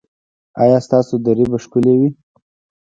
ایا ستاسو درې به ښکلې وي؟